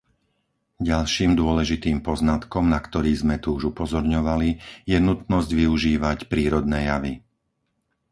Ďalším dôležitým poznatkom, na ktorý sme tu už upozorňovali, je nutnosť využívať prírodné javy.